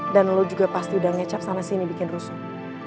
dan lo juga pasti udah ngecap sana sini bikin rusuk